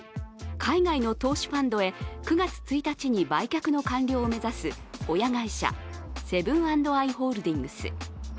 海外の投資ファンドへ９月１日に売却の完了を目指す親会社セブン＆アイ・ホールディングス。